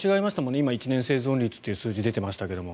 今、１年生存率という数字が出ていましたけど。